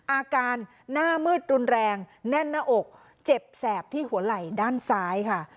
อาการหน้ามืดรุนแรงแน่นหน้าอกเจ็บแสบที่หัวไหล่ด้านซ้ายค่ะ